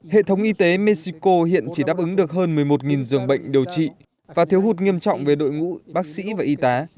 hệ thống y tế mexico hiện chỉ đáp ứng được hơn một mươi một dường bệnh điều trị và thiếu hụt nghiêm trọng về đội ngũ bác sĩ và y tá